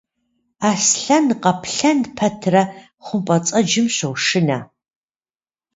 Аслъэн-къаплъэн пэтрэ хъумпӏэцӏэджым щощынэ.